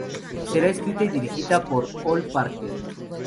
Será escrita y dirigida por Ol Parker.